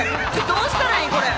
どうしたらいいん⁉これ！